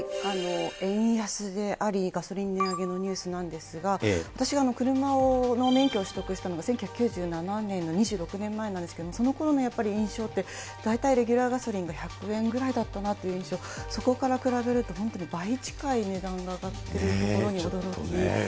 円安であり、ガソリン値上げのニュースなんですが、私は車の免許を取得したのは、１９９７年の２６年前なんですけれども、その頃のやっぱり印象って、大体レギュラーガソリンが１００円ぐらいだったなという印象、そこから比べると、本当に倍近い値段が上がっているところに驚きですね。